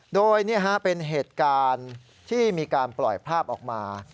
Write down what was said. โดยเป็นเหตุการณ์ที่มีการปล่อยภาพออกมา